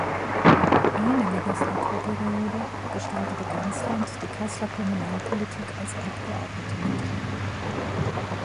Eine Legislaturperiode gestaltete Ganslandt die Kasseler Kommunalpolitik als Abgeordnete mit.